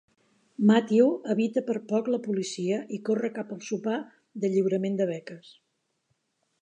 Matthew evita per poc la policia i corre cap al sopar de lliurament de beques.